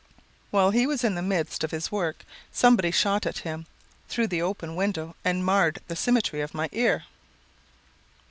'" "While he was in the midst of his work somebody shot at him through the open window and marred the symmetry of my ear.